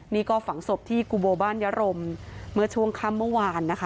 นี่ก็ฝังศพที่กุโบบ้านยรมเมื่อช่วงค่ำเมื่อวานนะคะ